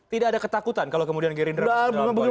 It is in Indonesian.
tidak ada ketakutan kalau kemudian gerindra berada di dalam koalisi